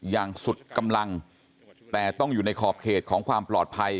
อย่างสุดกำลังแต่ต้องอยู่ในขอบเขตของความปลอดภัย